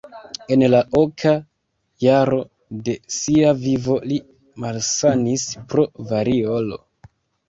En la oka jaro de sia vivo li malsanis pro variolo.